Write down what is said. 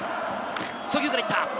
初球から行った。